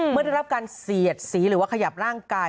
เมื่อได้รับการเสียดสีหรือว่าขยับร่างกาย